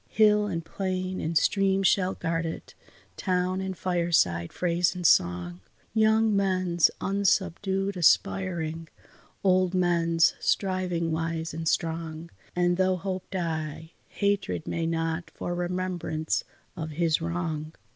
Hill and plain and stream shall guard it, town and fireside, phrase and song; Young men's unsubdued aspiring, old men's striving wise and strong; And though Hope die, Hatred may not for remembrance of his wrong.